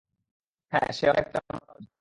হ্যাঁ, সে অনেকটা মাতাল ছিল।